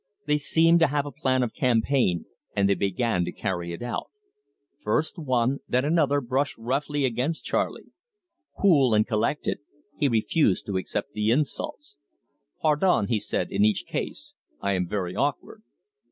They seemed to have a plan of campaign, and they began to carry it out. First one, then another, brushed roughly against Charley. Cool and collected, he refused to accept the insults. "Pardon," he said, in each case; "I am very awkward."